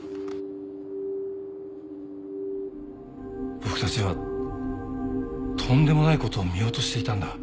僕たちはとんでもないことを見落としていたんだ。